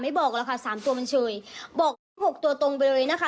ไม่บอกแล้วค่ะ๓ตัวมันเชยบอก๖ตัวตรงไปเลยนะฮะ